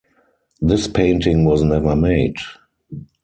This painting was never made.